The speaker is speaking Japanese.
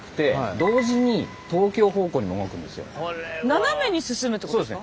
斜めに進むってことですか。